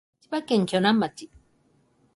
千葉県鋸南町